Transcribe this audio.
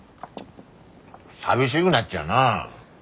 寂しぐなっちゃうなあ？